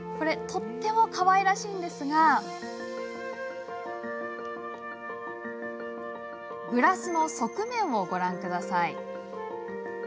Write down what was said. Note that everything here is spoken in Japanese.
とてもかわいらしいんですがグラス、側面をご覧ください。